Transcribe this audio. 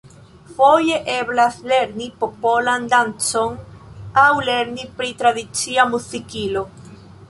Foje eblas lerni popolan dancon aŭ lerni pri tradicia muzikilo.